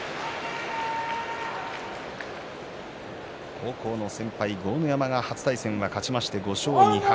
高校の先輩、豪ノ山が初対戦は勝ちまして５勝２敗。